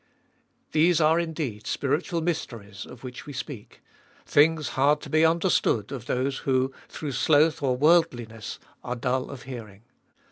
These are indeed spiritual mysteries of which we speak — things hard to be understood of those who, through sloth or worldliness, are dull of hearing.